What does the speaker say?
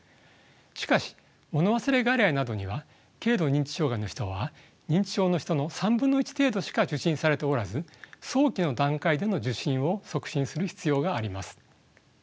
しかしもの忘れ外来などには軽度認知障害の人は認知症の人の３分の１程度しか受診されておらず早期の段階での受診を促進する必要があります。